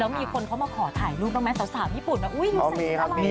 แล้วมีคนเขามาขอถ่ายรูปแล้วไหมสาวญี่ปุ่นเอาอุ้ยอยู่ใส่อะไร